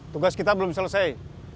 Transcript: tugas kita belum selesai